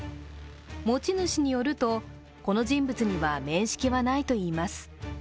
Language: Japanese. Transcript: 持ち主によると、この人物には面識はないといいます。